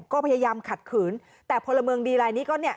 ก็พยายามขัดขืนแต่พลเมืองดีลายนี้ก็เนี่ย